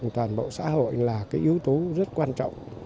toàn bộ xã hội là cái yếu tố rất quan trọng